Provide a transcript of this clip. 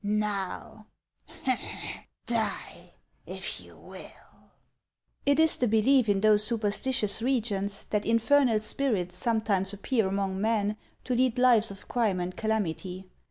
Now, die if you will." It is the belief in those superstitious regions that in fernal spirits sometimes appear among men to lead lives of crime and calamity.